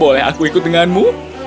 boleh aku ikut denganmu